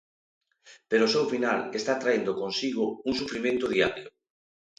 Pero o seu final está traendo consigo un sufrimento diario.